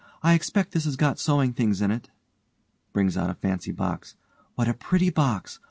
I expect this has got sewing things in it. (brings out a fancy box) What a pretty box.